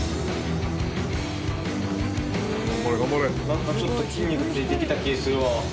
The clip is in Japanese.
なんかちょっと筋肉ついてきた気するわ。